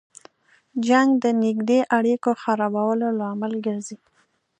جنګ د نږدې اړیکو خرابولو لامل ګرځي.